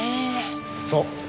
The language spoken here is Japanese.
そう。